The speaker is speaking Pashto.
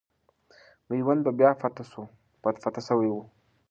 میوند به بیا فتح سوی وو.